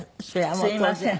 すいません。